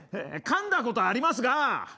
かんだことありますが。